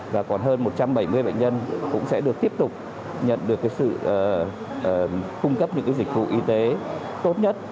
và còn hơn một trăm bảy mươi bệnh nhân cũng sẽ được tiếp tục nhận được sự cung cấp những dịch vụ y tế tốt nhất